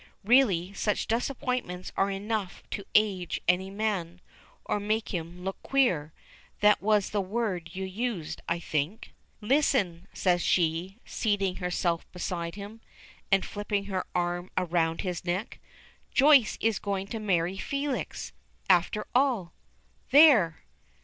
Really such disappointments are enough to age any man or make him look 'queer,' that was the word you used, I think?" "Listen," says she, seating herself beside him, and flipping her arm around his neck. "Joyce is going to marry Felix after all. There!"